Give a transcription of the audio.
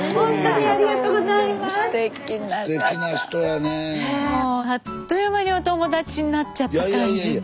もうあっという間にお友達になっちゃった感じで。